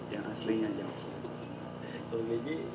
yang aslinya jawab